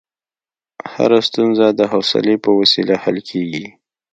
هره ستونزه د حوصلې په وسیله حل کېږي.